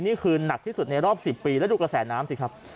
นี่คือหนักที่สุดในรอบ๑๐ปีแล้วดูกระแสน้ำสิครับ